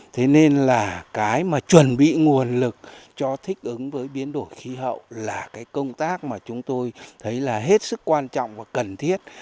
thế nên là cái mà chuẩn bị nguồn lực cho thích ứng với biến đổi khí hậu là cái công tác mà chúng tôi thấy là hết sức quan trọng và cần thiết